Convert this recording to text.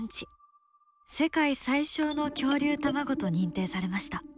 世界最小の恐竜卵と認定されました。